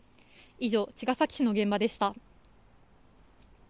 以上、茅ヶ崎市の現場でした。